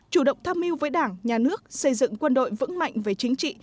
chủ động tham mưu với đảng nhà nước xây dựng quân đội vững mạnh về chính trị